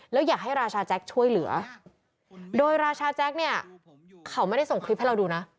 แล้วอยากให้ราชาแจ็คช่วยเหลือโดยราชาแจ็คเนี่ยเขาไม่ได้ส่งคลิปให้เราดูนะ